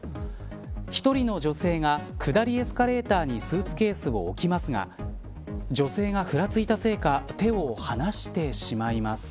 １人の女性が下りエスカレーターにスーツケースを置きますが女性がふらついたせいか手を離してしまいます。